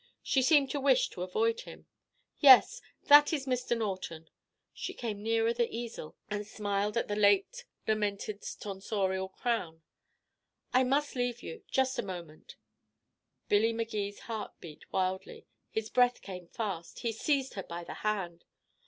She seemed to wish to avoid him. "Yes, that is Mr. Norton." She came nearer the easel, and smiled at the late lamented's tonsorial crown. "I must leave you just a moment " Billy Magee's heart beat wildly. His breath came fast. He seized her by the hand.